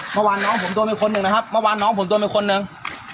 เมื่อวานน้องผมโดนไปคนหนึ่งนะครับเมื่อวานน้องผมโดนไปคนหนึ่ง